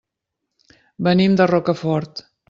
Venim de Rocafort.